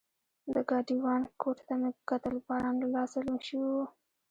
د ګاډیوان کوټ ته مې وکتل، باران له لاسه لوند شوی و.